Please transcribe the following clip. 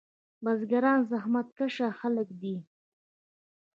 بزګران زحمت کشه خلک دي.